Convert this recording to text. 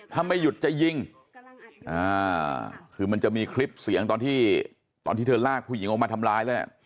ถ้าไม่หยุดจะยิงคือมันจะมีคลิปเสียงตอนที่ตอนที่เธอลากผู้หญิงออกมาทำร้ายแล้ว